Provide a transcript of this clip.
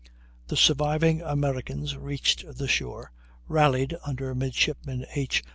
The surviving Americans reached the shore, rallied under Midshipman H.